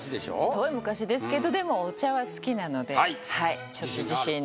遠い昔ですけどでもお茶は好きなのではい自信がある？